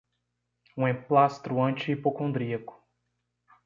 um emplastro anti-hipocondríaco